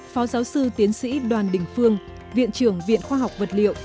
phó giáo sư tiến sĩ đoàn đình phương viện trưởng viện khoa học vật liệu